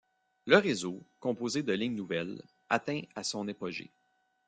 Le réseau, composé de lignes nouvelles, atteint à son apogée.